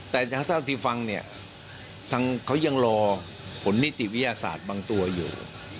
แต่เท่าที่ฟังเนี่ยทางเขายังรอผลนิติวิทยาศาสตร์บางตัวอยู่